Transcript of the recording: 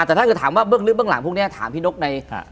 แต่ถ้าเกิดถามว่าเบื้องลึกเบื้องหลังพวกนี้ถามพี่นกใน